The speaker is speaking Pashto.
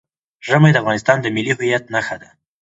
ژمی د افغانستان د ملي هویت نښه ده.